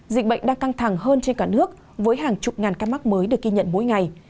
dịch bệnh đang căng thẳng hơn trên cả nước với hàng chục ngàn ca mắc mới được ghi nhận mỗi ngày